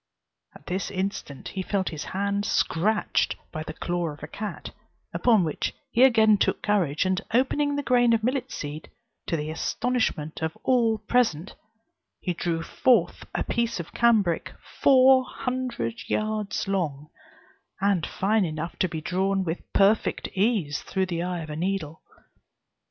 At this instant he felt his hand scratched by the claw of a cat: upon which he again took courage, and opening the grain of millet seed, to the astonishment of all present, he drew forth a piece of cambric four hundred yards long, and fine enough to be drawn with perfect ease through the eye of the needle.